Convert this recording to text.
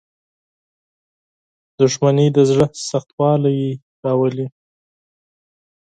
• دښمني د زړه سختوالی راولي.